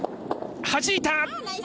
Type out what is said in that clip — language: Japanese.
はじいた！